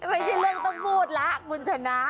แมงที่เล่นต้องพูดละคุณชนะ